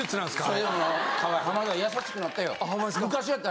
それでも浜田優しくなったよ。